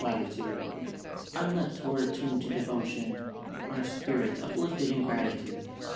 latitude, Our lips were attuned to devotion, Our spirits uplifted in gratitude.